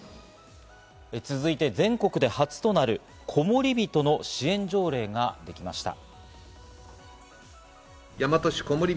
続いて、全国の初となる、こもりびとの支援条例ができました。